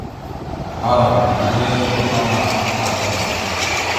« Bba arav ge dide ya abakana akada! ».